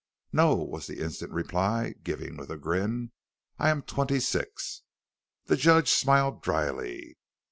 "No," was the instant reply, given with a grin, "I am twenty six." The judge smiled dryly.